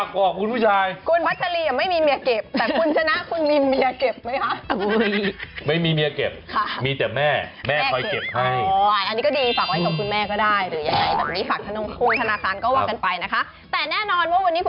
บอกคุณผู้ชายคุณพัชรีไม่มีเมียเก็บแต่คุณชนะคุณมีเมียเก็บไหมคะ